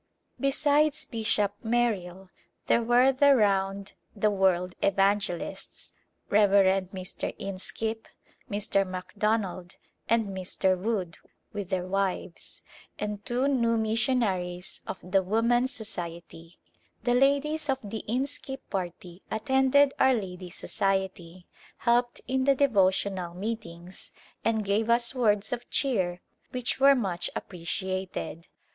Besides Bishop Merrill there were the " Round the World Evangelists," Reverend Mr. Inskip, Mr. Mc Donald and Mr. Wood with their wives, and two new missionaries of the Woman's Society. The ladies of the Inskip party attended our Ladies' Society, helped in the devotional meetings, and gave us words of cheer which were much appreciated.